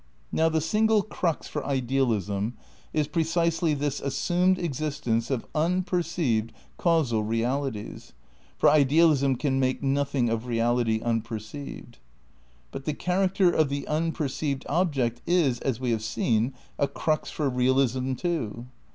Now the single crux for idealism is precisely this as sumed existence of unperceived causal realities; for idealism can make nothing of reality unperceived. But the character of the unperceived object is, as we have seen ^ a crux for realism too.